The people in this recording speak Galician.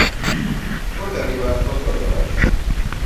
Os de arriba contra os de abaixo.